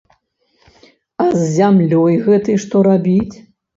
А з зямлёй гэтай што рабіць?